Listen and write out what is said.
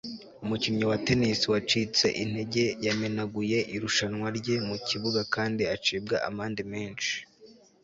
Umukinnyi wa tennis wacitse intege yamenaguye irushanwa rye mu kibuga kandi acibwa amande menshi